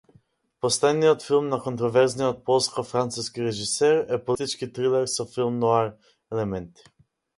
Последниот филм на контроверзниот полско-француски режисер е политички трилер со филм ноар елементи.